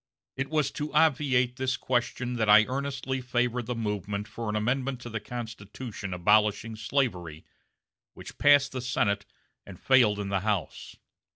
It was to obviate this question that I earnestly favored the movement for an amendment to the Constitution abolishing slavery, which passed the Senate and failed in the House.